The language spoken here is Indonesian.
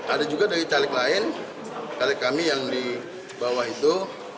ada juga dari caleg lain caleg kami yang di bawah itu